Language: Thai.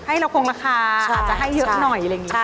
ให้เราคงราคาอาจจะให้เยอะหน่อยอะไรอย่างนี้